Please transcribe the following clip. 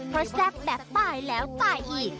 เพราะแซ่บแบบตายแล้วตายอีก